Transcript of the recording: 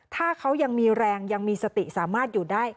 ถ้าเขายังมีแรงยังมีสติสามารถอยู่ได้